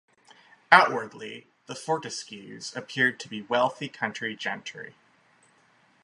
Outwardly, the Fortescues appeared to be wealthy country gentry.